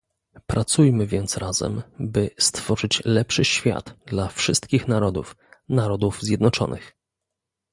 Pracujmy więc razem, by stworzyć lepszy świat dla wszystkich narodów, Narodów Zjednoczonych